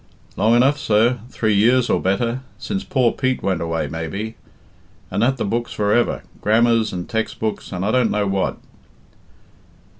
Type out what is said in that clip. "Long enough, sir, three years or better, since poor Pete went away maybe; and at the books for ever, grammars and tex' books, and I don't know what."